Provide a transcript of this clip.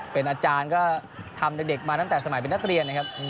เป็นอาจารย์ก็ทำเด็กมาตั้งแต่สมัยเป็นนักเรียนนะครับ